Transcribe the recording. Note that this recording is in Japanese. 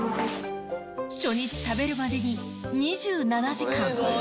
初日食べるまでに２７時間。